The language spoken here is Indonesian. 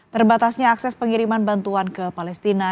terbatasnya akses pengiriman bantuan ke palestina